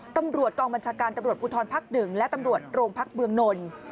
ตำรวจกบัญชาการตำรวจผู้ทรภักดึงและตำรวจโรงภักด์เบืองนนท์